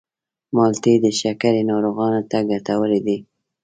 مالټې د شکرې ناروغانو ته ګټورې دي.